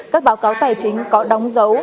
các báo cáo tài chính có đóng dấu